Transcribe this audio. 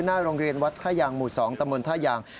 หน้าโรงเรียนวัดท่ายางหมู่๒ตำบลท่ายาง